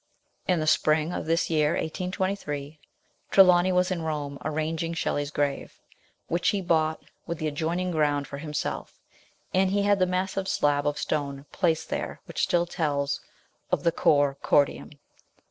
In the spring of this year, 1823, Trelawny was in Home arranging Shelley's grave, which he bought with the adjoining ground for himself, and he had the massive slab of stone placed there which still tells of the " Cor cor dium."